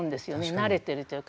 慣れてるというか。